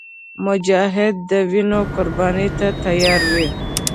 مجاهد د وینو قرباني ته تیار وي.